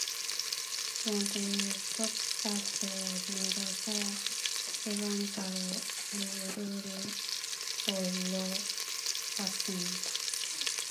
모두 쏟아져 내려서 기관차로 우루루 몰려왔습니다.